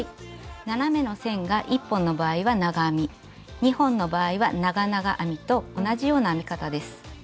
斜めの線が１本の場合は長編み２本の場合は長々編みと同じような編み方です。